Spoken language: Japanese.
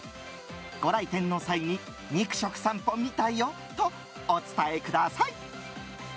ご来店の際に肉食さんぽ見たよとお伝えください。